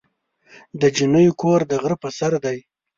د جینۍ کور د غره په سر دی.